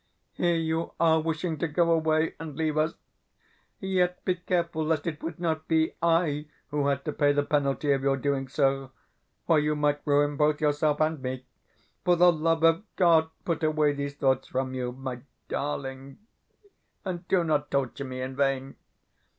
Here you are wishing to go away and leave us; yet, be careful lest it would not be I who had to pay the penalty of your doing so. For you might ruin both yourself and me. For the love of God, put away these thoughts from you, my darling, and do not torture me in vain.